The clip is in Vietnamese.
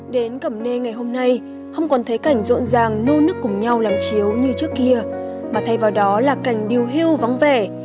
đến cẩm na ngày hôm nay không còn thấy cảnh rộn ràng nô nức cùng nhau làm chiếu như trước kia mà thay vào đó là cảnh điều hưu vắng vẻ